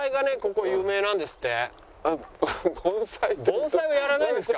盆栽はやらないんですか？